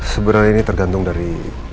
sebenarnya ini tergantung dari